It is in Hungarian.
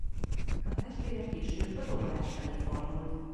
A testvére később a dobolás felé fordult.